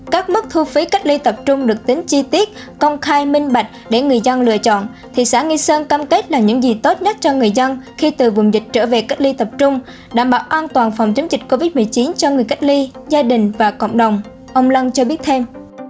các mức thu phí cách ly tập trung được tính chi tiết công khai minh bạch để người dân lựa chọn thị xã nghi sơn cam kết là những gì tốt nhất cho người dân khi từ vùng dịch trở về cách ly tập trung đảm bảo an toàn phòng chống dịch covid một mươi chín cho người cách ly gia đình và cộng đồng ông lân cho biết thêm